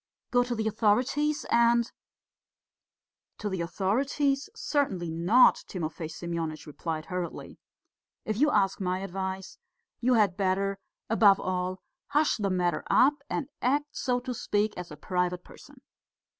Go to the authorities and ..." "To the authorities? Certainly not," Timofey Semyonitch replied hurriedly. "If you ask my advice, you had better, above all, hush the matter up and act, so to speak, as a private person.